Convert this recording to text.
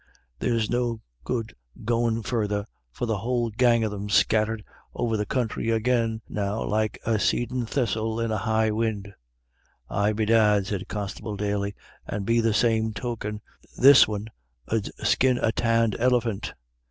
There's no good goin' further, for the whole gang of them's scattered over the counthry agin now like a seedin' thistle in a high win'." "Aye, bedad," said Constable Daly, "and be the same token, this win' ud skin a tanned elephant.